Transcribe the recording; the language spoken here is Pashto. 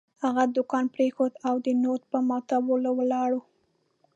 هغه دوکان پرېښود او د نوټ په ماتولو ولاړ.